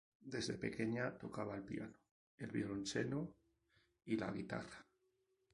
Desde pequeña tocaba el piano, el violonchelo y la guitarra.